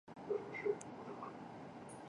梁耀宝随即叛变。